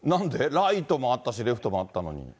ライトもあったし、レフトもあったのに？